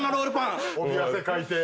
脇汗かいて。